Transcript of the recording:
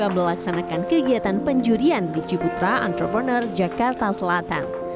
melaksanakan kegiatan penjurian di ciputra entrepreneur jakarta selatan